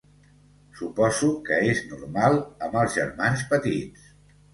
Suposo que és normal, amb els germans petits.